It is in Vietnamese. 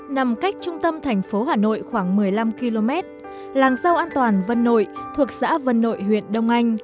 nằm cách trung tâm thành phố hà nội khoảng một mươi năm km làng rau an toàn vân nội thuộc xã vân nội huyện đông anh